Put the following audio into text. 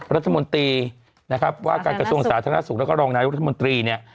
รัฐมนตรีว่าการกระชวงศาสนธนาศุกร์แล้วก็รองรายรัฐมนตรี